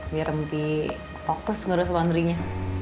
biar mimpi fokus ngerusul andri nya